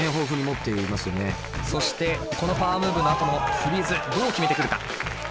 そしてこのパワームーブのあとのフリーズどう決めてくるか。